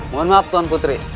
mohon maaf tuan putri